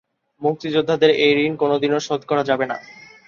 মুক্তিযোদ্ধাদের এই ঋণ কোনোদিনও শোধ করা যাবে না।